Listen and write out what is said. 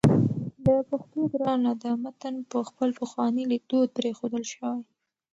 د پښتو ګرانه ده متن په خپل پخواني لیکدود پرېښودل شوی